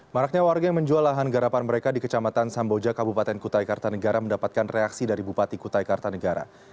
maraknya warga yang menjual lahan garapan mereka di kecamatan samboja kabupaten kutai kartanegara mendapatkan reaksi dari bupati kutai kartanegara